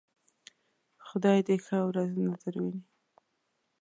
خدای دې ښه ورځ نه درويني.